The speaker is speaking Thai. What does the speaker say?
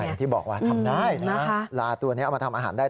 อย่างที่บอกว่าทำได้นะลาตัวนี้เอามาทำอาหารได้